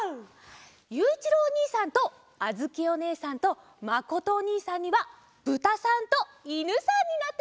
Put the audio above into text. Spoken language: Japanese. ゆういちろうおにいさんとあづきおねえさんとまことおにいさんにはぶたさんといぬさんになってもらおうっと。